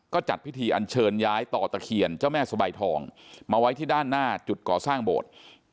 ก็จัดพิธีอันเชิญย้ายต่อตะเคียนเจ้าแม่สบายทองมาไว้ที่ด้านหน้าจุดก่อสร้างโบสถ์